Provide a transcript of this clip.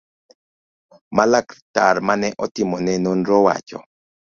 ma laktar mane otimo ne nonro wacho